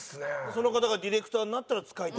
その方がディレクターになったら使いたいとか。